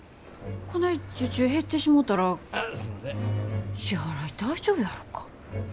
こない受注減ってしもたら支払い大丈夫やろか。